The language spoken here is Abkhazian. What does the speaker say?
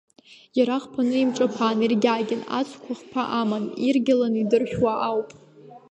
Иара хԥаны еимҿаԥан, иргьагьан ацқәа хԥа аман, иргьалан идыршәуа ауп.